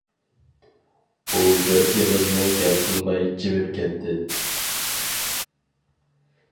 ئۇ بىر ئېغىزمۇ گەپ قىلماي جىمىپ كەتتى.